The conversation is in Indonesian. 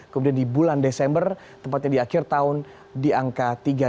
kemudian di bulan desember tempatnya di akhir tahun di angka tiga ribu enam ratus empat puluh